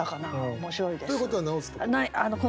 面白いです。ということは直すところ。